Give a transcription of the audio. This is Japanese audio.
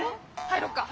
入ろうか。